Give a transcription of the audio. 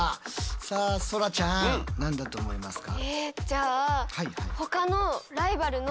さあそらちゃん何だと思いますか？